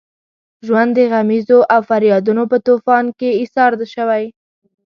ژوند د غمیزو او فریادونو په طوفان کې ایسار شوی.